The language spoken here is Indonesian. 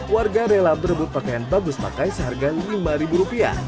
warga rela berebut pakaian bagus pakai seharga rp lima